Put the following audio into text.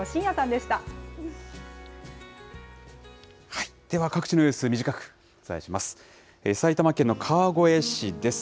では各地の様子、短くお伝えします。